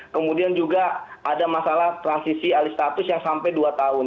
kemudian juga ada masalah transisi alih status yang sampai dua tahun